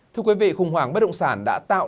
thưa quý vị khủng hoảng bất động sản đã tạo điện thoại